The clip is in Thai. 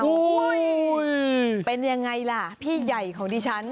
เป็นยังไงล่ะพี่ใหญ่ของดิฉัน